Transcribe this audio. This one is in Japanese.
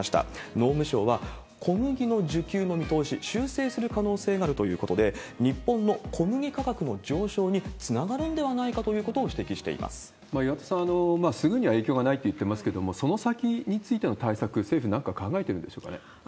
農務省は小麦の需給の見通し、修正する可能性があるということで、日本の小麦価格の上昇につながるんではないかということを指摘し岩田さん、すぐには影響がないって言ってますけれども、その先についての対策、政府なんか考えてるんでしょうかね？